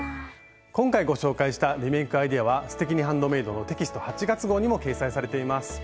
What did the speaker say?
今回ご紹介したリメイクアイデアは「すてきにハンドメイド」のテキスト８月号にも掲載されています。